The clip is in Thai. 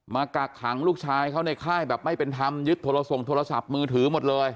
กักขังลูกชายเขาในค่ายแบบไม่เป็นธรรมยึดโทรส่งโทรศัพท์มือถือหมดเลย